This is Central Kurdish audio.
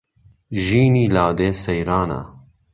ژینی لادێ سەیرانە